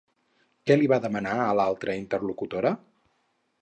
Què li va demanar a l'altra interlocutora?